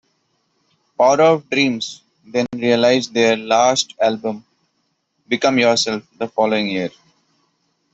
Power of Dreams then released their last album "Become Yourself" the following year.